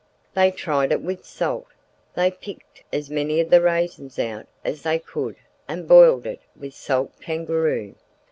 They tried it with salt. They picked as many of the raisins out as they could and boiled it with salt kangaroo.